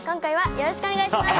よろしくお願いします。